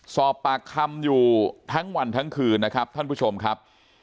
สอบปากคำอยู่ทั้งวันทั้งคืนนะครับท่านผู้ชมครับ